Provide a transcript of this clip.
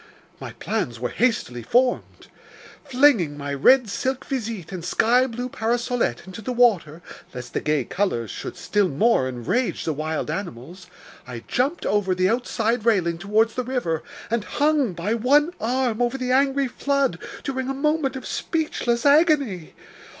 My plans were hastily formed. Flinging my red silk visite and sky blue parasolette into the water, lest the gay colors should still more enrage the wild animals, I jumped over the outside railing towards the river, and hung by one arm over the angry flood during a moment of speechless agony!